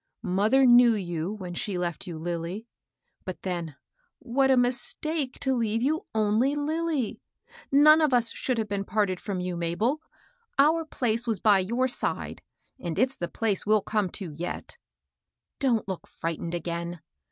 Mother knew you, when she left you Lilly. But then, what a mistake to leave you only Lilly I None of us should have been parted from you, Mabel. Our place was by your side, and it's the place we'll come to yet. Don't look frightened again.